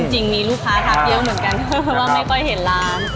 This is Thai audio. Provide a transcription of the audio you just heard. จริงมีลูกค้าทักเยอะเหมือนกันเพราะว่าไม่ค่อยเห็นร้าน